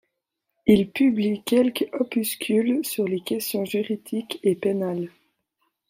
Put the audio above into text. Il publie quelques opuscules sur les questions juridiques et pénales.